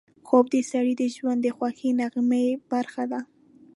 خوب د سړي د ژوند د خوږې نغمې برخه ده